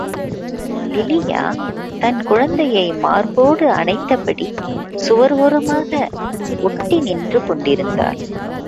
லிலியா தன் குழந்தையை மார்போடு அனைத்தபடி சுவர் ஓரமாக ஒட்டி நின்று கொண்டிருந்தாள்.